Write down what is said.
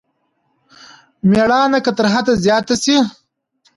مېړانه که تر حد زيات شي.